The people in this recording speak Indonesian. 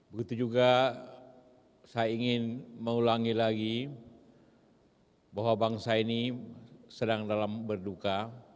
begitu juga saya ingin mengulangi lagi bahwa bangsa ini sedang dalam berduka